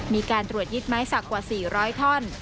มีการตรวจยึดไม้สักกว่า๔๐๐ท่อน